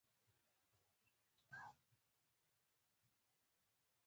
ته سترګې ختې چې خلک به څه وايي.